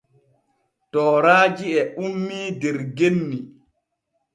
Tooraaji e ummii der genni.